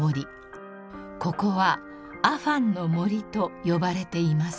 ［ここはアファンの森と呼ばれています］